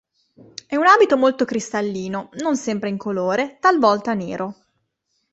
È un abito molto cristallino, non sempre incolore, talvolta nero.